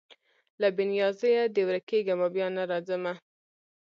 له بې نیازیه دي ورکېږمه بیا نه راځمه